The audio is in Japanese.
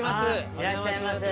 いらっしゃいませ。